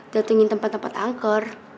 datengin tempat tempat angkor